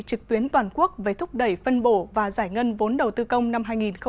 trước tuyến toàn quốc về thúc đẩy phân bổ và giải ngân vốn đầu tư công năm hai nghìn một mươi chín